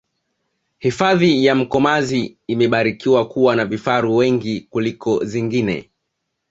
hifadhi ya mkomazi imebarikiwa kuwa na vifaru wengi kuliko zingine